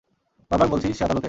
বার বার বলছিস সে আদালতে!